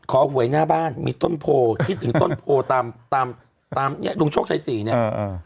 ขอหวยหน้าบ้านมีต้นโพลคิดถึงต้นโพลตามเนี่ยลุงโชคชายศรีเนี่ย